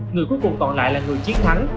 người cuối cùng còn lại là người chiếc thắng